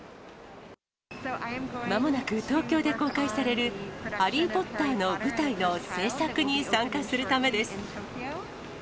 まもなく東京で公開されるハリー・ポッターの舞台の制作に参加するためです。